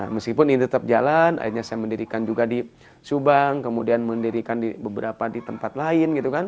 meskipun ini tetap jalan akhirnya saya mendirikan juga di subang kemudian mendirikan di beberapa tempat lain